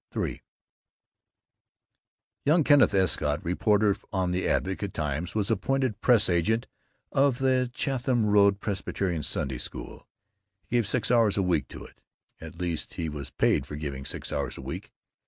III Young Kenneth Escott, reporter on the Advocate Times, was appointed press agent of the Chatham Road Presbyterian Sunday School. He gave six hours a week to it. At least he was paid for giving six hours a week.